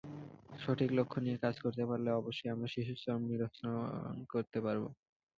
সঠিক লক্ষ্য নিয়ে কাজ করতে পারলে অবশ্যই আমরা শিশুশ্রম নিরসন করতে পারব।